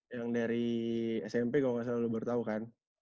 yang dari smp kalau nggak selalu baru tahu kan